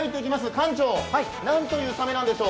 館長、何というサメなんでしょう？